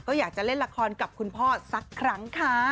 ก็อยากจะเล่นละครกับคุณพ่อสักครั้งค่ะ